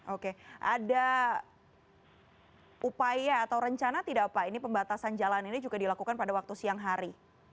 oke ada upaya atau rencana tidak pak ini pembatasan jalan ini juga dilakukan pada waktu siang hari